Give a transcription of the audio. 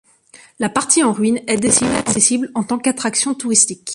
La partie en ruines est désormais accessible en tant qu'attraction touristique.